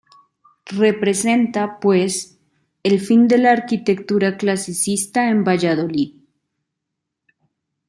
Representa, pues, el fin de la arquitectura clasicista en Valladolid.